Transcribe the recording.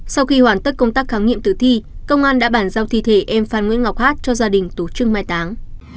sau khi hoàn tất công tác khám nghiệm tử thi công an đã bản giao thi thể em phan nguyễn ngọc hát cho gia đình tổ chức mai táng